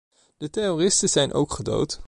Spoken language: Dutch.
De terroristen zijn ook gedood.